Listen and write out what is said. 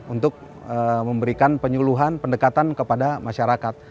untuk memberikan penyuluhan pendekatan kepada masyarakat